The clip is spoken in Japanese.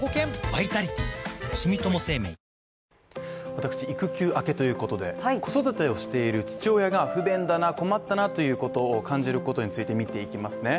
私育休明けということで、子育てをしている父親が不便だな、困ったなということを感じることについて見ていきますね